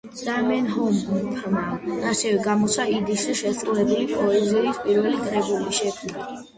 ზამენჰოფმა ასევე გამოსცა იდიშზე შესრულებული პოეზიის პირველი კრებული შექმნა.